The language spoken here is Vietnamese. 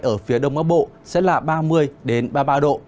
ở phía đông bắc bộ sẽ là ba mươi ba mươi ba độ